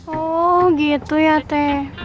oh gitu ya teh